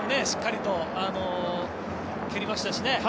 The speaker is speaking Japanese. しっかりと蹴りましたしね。